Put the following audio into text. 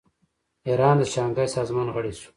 ایران د شانګهای سازمان غړی شو.